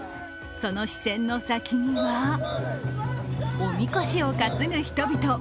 その視線の先には、おみこしを担ぐ人々。